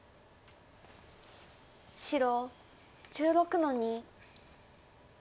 白１６の二。